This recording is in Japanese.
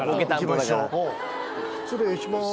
失礼します